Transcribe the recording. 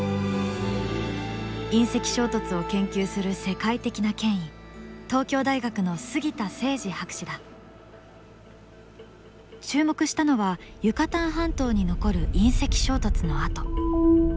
隕石衝突を研究する世界的な権威注目したのはユカタン半島に残る隕石衝突の跡。